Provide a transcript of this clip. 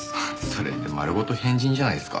それってまるごと変人じゃないですか。